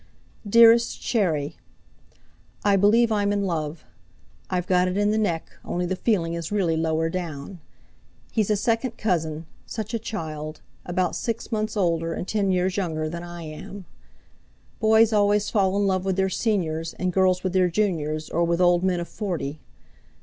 "DEAREST CHERRY, "I believe I'm in love. I've got it in the neck, only the feeling is really lower down. He's a second cousin such a child, about six months older and ten years younger than I am. Boys always fall in love with their seniors, and girls with their juniors or with old men of forty.